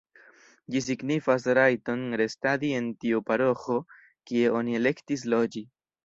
Ĝi signifas rajton restadi en tiu paroĥo, kie oni elektis loĝi.